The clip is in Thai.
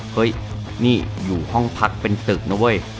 เฮ้ยนี่อยู่ห้องพักเป็นตึกนะเว้ย